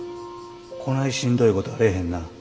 こないしんどいことあれへんな。